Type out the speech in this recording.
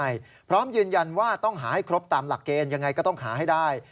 ใช่พร้อมยืนยันว่าต้องหาให้ครบตามหลักเกณฑ์ยังไงก็ต้องหาให้ได้